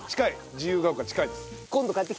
自由が丘近いです。